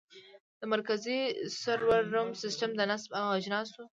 د مرکزي سرور روم سیسټم د نصب او اجناسو